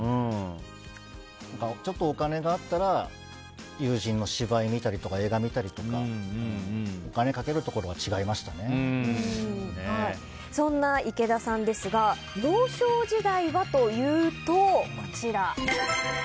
ちょっとお金があったら友人の芝居を見たりとか映画見たりとかお金かけるところがそんな池田さんですが幼少時代はというと、こちら。